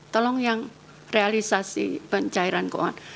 tolong yang realisasi pencairan keuangan